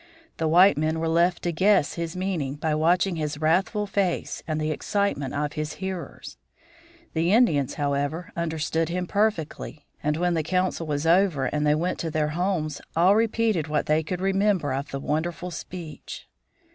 The white men were left to guess his meaning by watching his wrathful face and the excitement of his hearers. The Indians, however, understood him perfectly, and when the council was over and they went to their homes all repeated what they could remember of the wonderful speech.